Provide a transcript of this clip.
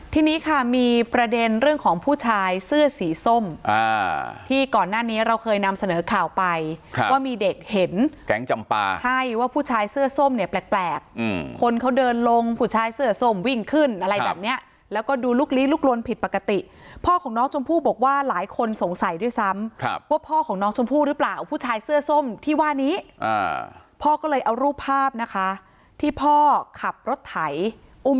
ทีนี้ค่ะมีประเด็นเรื่องของผู้ชายเสื้อสีส้มที่ก่อนหน้านี้เราเคยนำเสนอข่าวไปว่ามีเด็กเห็นแก๊งจำปาใช่ว่าผู้ชายเสื้อส้มเนี่ยแปลกคนเขาเดินลงผู้ชายเสื้อส้มวิ่งขึ้นอะไรแบบเนี้ยแล้วก็ดูลุกลี้ลุกลนผิดปกติพ่อของน้องชมพู่บอกว่าหลายคนสงสัยด้วยซ้ำว่าพ่อของน้องชมพู่หรือเปล่าผู้ชายเสื้อส้มที่ว่านี้พ่อก็เลยเอารูปภาพนะคะที่พ่อขับรถไถอุ้ม